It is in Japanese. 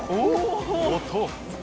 音。